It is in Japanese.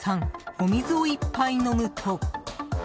お水を１杯飲むと。